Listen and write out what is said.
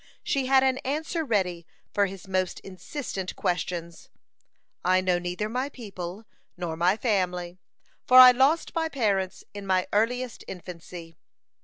She had an answer ready for his most insistent questions: "I know neither my people nor my family, for I lost my parents in my earliest infancy."